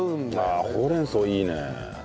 ああほうれん草いいね。